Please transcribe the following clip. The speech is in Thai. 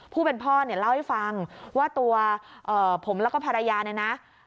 ผู้เป็นพ่อเล่าให้ฟังว่าตัวผมแล้วก็ภรรยานะ